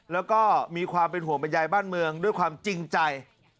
แล้วก็มีความเป็นห่วงบรรยายบ้านเมืองด้วยความจริงใจ